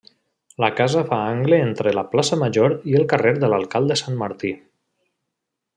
La casa fa angle entre la Plaça Major i el carrer de l'Alcalde Santmartí.